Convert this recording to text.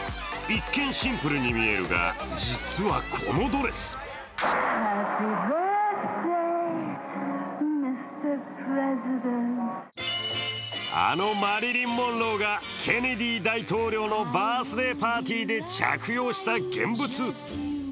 一見シンプルに見えるが実はこのドレスあのマリリン・モンローがケネディ大統領のバースデーパーティーで着用した現物。